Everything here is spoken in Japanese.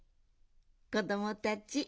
こどもたち